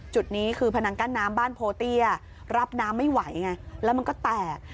จุดนี้คือพนังกั้นน้ำบ้านโพเตี้ยรับน้ำไม่ไหวไงแล้วมันก็แตก